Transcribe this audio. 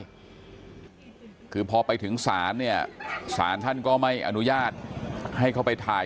คือพอไปถึงศาลเนี่ยศาลท่านก็ไม่อนุญาตให้เข้าไปถ่าย